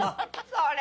それ。